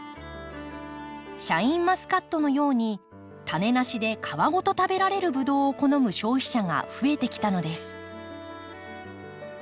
シャインマスカットのようにタネなしで皮ごと食べられるブドウを好む消費者が増えてきたのです。